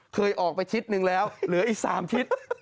เคยออกไปทิศนึงแล้วเหลืออีก๓ทิศ